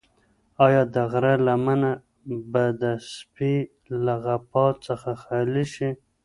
ایا د غره لمنه به د سپي له غپا څخه خالي شي؟